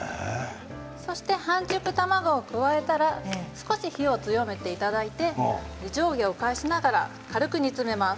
そして半熟卵を加えたら少し火を強めていただいて上下を返しながら軽く煮詰めます。